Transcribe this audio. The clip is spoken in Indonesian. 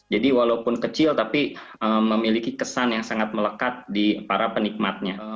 jadi walaupun kecil tapi memiliki kesan yang sangat melekat di para penikmatnya